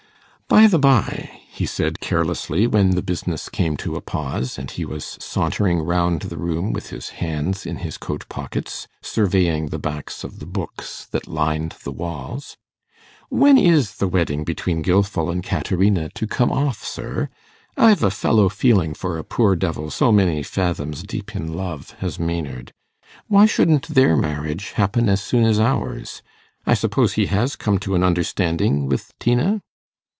'By the by,' he said carelessly, when the business came to a pause, and he was sauntering round the room with his hands in his coat pockets, surveying the backs of the books that lined the walls, 'when is the wedding between Gilfil and Caterina to come off, sir? I've a fellow feeling for a poor devil so many fathoms deep in love as Maynard. Why shouldn't their marriage happen as soon as ours? I suppose he has come to an understanding with Tina?